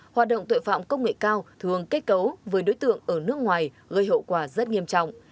hoạt động tội phạm công nghệ cao thường kết cấu với đối tượng ở nước ngoài gây hậu quả rất nghiêm trọng